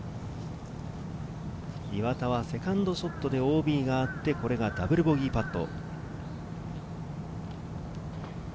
岩田はセカンドショットでＯＢがあって、これがダブルボギーパット。